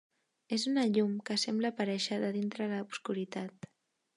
És una llum que sembla aparèixer de dintre de l'obscuritat.